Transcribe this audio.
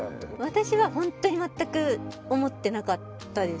私はホントに全く思ってなかったです